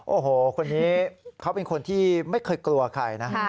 โอ้โหคนนี้เขาเป็นคนที่ไม่เคยกลัวใครนะ